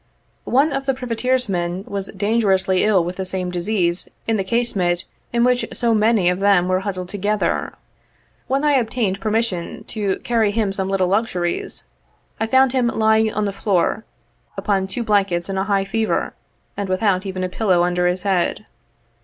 One of the privateersmen was dangerously ill with the same disease in the casemate in which so many of them were huddled together. When I obtained permission to carry him some little luxuries, I found him lying on the floor upon two blankets in a high fever, and without even a pillow under his head.